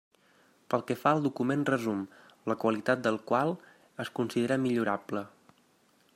Pel que fa al document resum, la qualitat del qual es considera millorable.